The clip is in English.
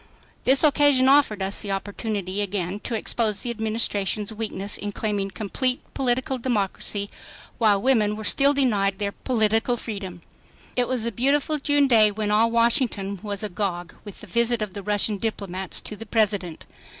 This occasion offered us the opportunity again to expose the Administration's weakness in claiming complete political democracy while women were still denied their political freedom. It was a beautiful June day when all Washington was agog with the visit of the Russian diplomats to the President.